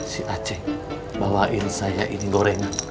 si aceh bawain saya ini gorengan